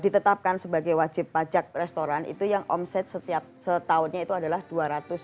ditetapkan sebagai wajib pajak restoran itu yang omset setiap setahunnya itu adalah dua ratus